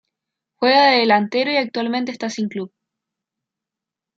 Juega de delantero y actualmente está sin club.